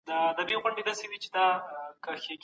مرګ له بدني ځورونې څخه یوه خوږه پېښه ده.